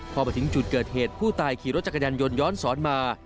พอมาถึงจุดเกิดเหตุผู้ตายขี่รถจักรยานยนต์ย้อนสอนมา